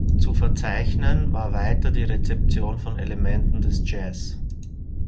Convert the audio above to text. Zu verzeichnen war weiter die Rezeption von Elementen des Jazz.